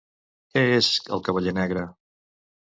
Què és El cavaller negre?